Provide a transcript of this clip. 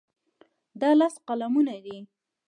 دا لس قلمونه دي.